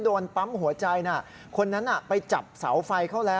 คุณเห็นสภาพไหมก่อนจะไปถึงเกาะกลาง